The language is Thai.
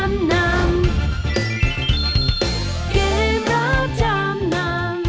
เกมรับจำนำ